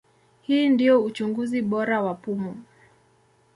Hii ndio uchunguzi bora wa pumu.